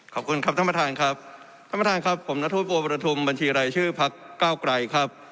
ขอบคุณครับท่านประธานครับท่านประธานครับผมนัทธวประธุมบัญชีรายชื่อพักเก้าไกรครับ